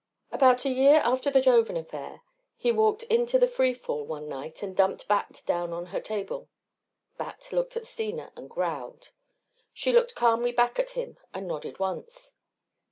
About a year after the Jovan affair he walked into the Free Fall one night and dumped Bat down on her table. Bat looked at Steena and growled. She looked calmly back at him and nodded once.